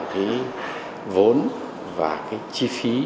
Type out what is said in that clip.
cái vốn và cái chi phí